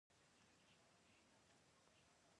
دوی تشو ځایونو ته کتل او فکر یې کاوه